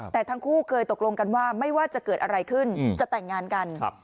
แต่ทั้งคู่เคยตกลงกันว่าไม่ว่าจะเกิดอะไรขึ้นจะแต่งงานกัน